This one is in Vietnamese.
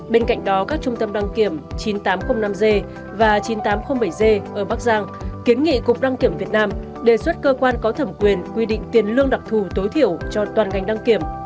bên cạnh đó các trung tâm đăng kiểm chín nghìn tám trăm linh năm g và chín nghìn tám trăm linh bảy g ở bắc giang kiến nghị cục đăng kiểm việt nam đề xuất cơ quan có thẩm quyền quy định tiền lương đặc thù tối thiểu cho toàn ngành đăng kiểm